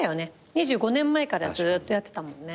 ２５年前からずっとやってたもんね。